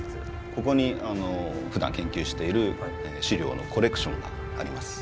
ここにふだん研究している試料のコレクションがあります。